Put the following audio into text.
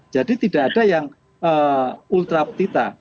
jadi tidak ada yang ultra petita